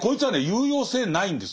有用性ないんですよ